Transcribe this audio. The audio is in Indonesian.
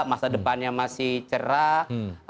masa depannya masih cerah